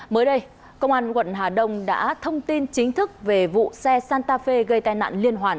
mới đây công an quận hà đông đã thông tin chính thức về vụ xe santa fe gây tai nạn liên hoàn